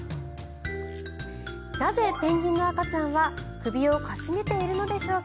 なぜ、ペンギンの赤ちゃんは首を傾げているのでしょうか。